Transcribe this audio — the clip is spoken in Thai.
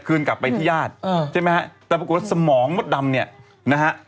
กลับไปที่ญาติใช่ไหมฮะแต่ปรากฏสมองมดดำเนี่ยนะฮะ